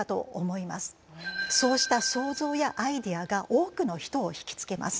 そうした想像やアイデアが多くの人を引き付けます。